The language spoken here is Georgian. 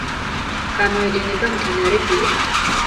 გამოედინება მდინარე ბია.